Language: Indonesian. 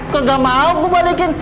kok gak mau gue balikin